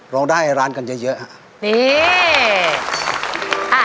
รอด้ายร้านกันเยอะ